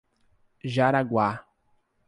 Jaraguá